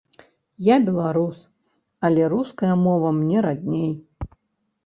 Я беларус, але руская мова мне радней.